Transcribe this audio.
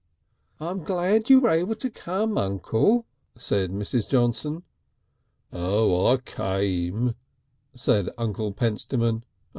"I'm glad you were able to come, Uncle," said Mrs. Johnson. "Oh, I came" said Uncle Pentstemon.